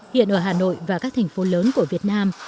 hiện ở hà nội và các thành phố lớn của việt nam